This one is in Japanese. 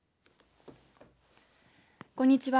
こんにちは。